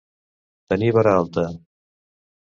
Tenir vara alta.